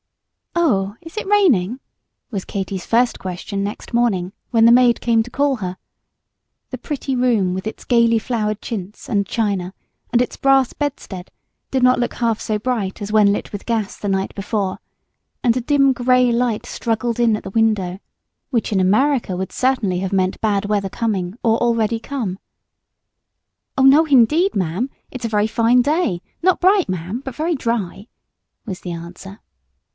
"Oh, is it raining?" was Katy's first question next morning, when the maid came to call her. The pretty room, with its gayly flowered chintz, and china, and its brass bedstead, did not look half so bright as when lit with gas the night before; and a dim gray light struggled in at the window, which in America would certainly have meant bad weather coming or already come. "Oh no, h'indeed, ma'am, it's a very fine day, not bright, ma'am, but very dry," was the answer.